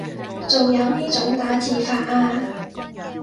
仲有呢種打字法啊